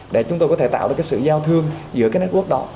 để chúng tôi có thể tạo được cái sự giao thương giữa cái network đó